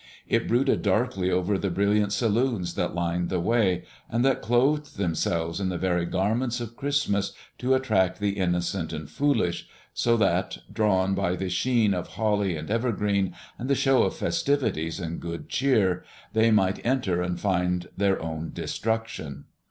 It brooded darkly over the brilliant saloons that lined the way, and that clothed themselves in the very garments of Christmas to attract the innocent and foolish, so that, drawn by the sheen of holly and evergreen, and the show of festivities and good cheer, they might enter and find their own destruction.